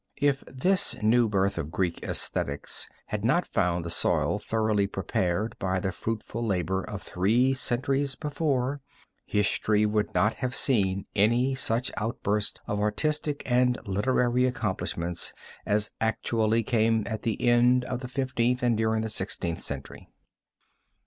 If this new birth of Greek esthetics had not found the soil thoroughly prepared by the fruitful labor of three centuries before, history would not have seen any such outburst of artistic and literary accomplishments as actually came at the end of the Fifteenth and during the Sixteenth centuries.